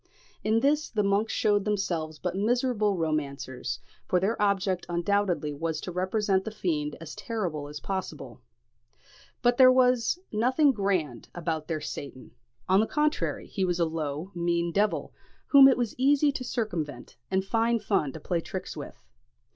In this the monks shewed themselves but miserable romancers; for their object undoubtedly was to represent the fiend as terrible as possible. But there was nothing grand about their Satan; on the contrary, he was a low, mean devil, whom it was easy to circumvent, and fine fun to play tricks with.